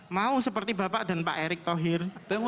mau seperti bapak dan pak erick thohir